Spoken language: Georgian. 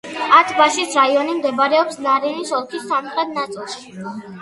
ათ-ბაშის რაიონი მდებარეობს ნარინის ოლქის სამხრეთ ნაწილში.